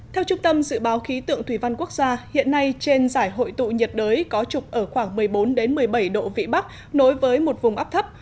theo trung tâm dự báo khí tượng thủy văn quốc gia hiện nay trên giải hội tụ nhiệt đới có trục ở khoảng một mươi bốn một mươi bảy độ vĩ bắc nối với một vùng áp thấp